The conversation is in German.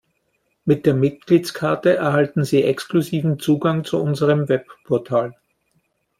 Mit der Mitgliedskarte erhalten Sie exklusiven Zugang zu unserem Webportal.